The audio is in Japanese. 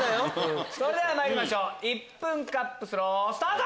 それではまいりましょう１分カップスロースタート！